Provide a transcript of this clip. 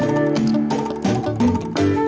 terima kasih pak